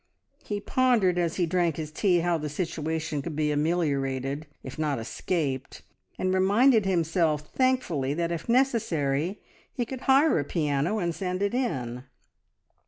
He pondered as he drank his tea how the situation could be ameliorated, if not escaped, and reminded himself thankfully that if necessary he could hire a piano and send it in.